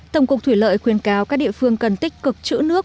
tổng cục thủy lợi khuyên cáo các địa phương cần tích cực chữ nước